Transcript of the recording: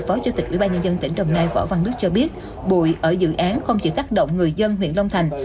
phó chủ tịch ubnd tỉnh đồng nai võ văn đức cho biết bùi ở dự án không chỉ tác động người dân huyện long thành